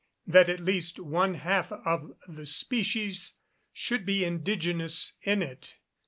That at least one half of the species should be indigenous in it.